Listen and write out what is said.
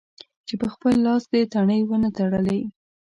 چې په خپل لاس دې تڼۍ و نه تړلې.